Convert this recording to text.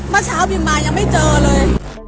เมื่อเช้าบินมายังไม่เจอเลย